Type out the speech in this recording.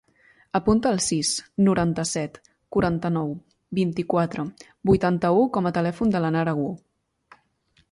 Apunta el sis, noranta-set, quaranta-nou, vint-i-quatre, vuitanta-u com a telèfon de la Nara Wu.